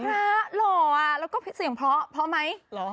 คือสะระหล่อออแล้วก็เสียงเพราะเพราะไหม